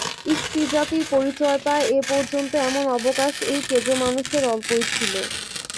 স্ত্রীজাতির পরিচয় পায় এ পর্যন্ত এমন অবকাশ এই কেজো মানুষের অল্পই ছিল।